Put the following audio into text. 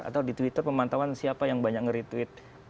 atau di twitter pemantauan siapa yang banyak nge retweet